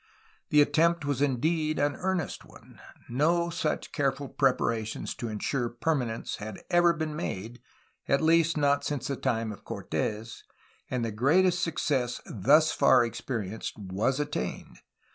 The attempt was indeed an earnest one. No such careful preparations to ensure permanence had ever been made, at least not since the time of Cortes, and the greatest success thus far experienced was attained.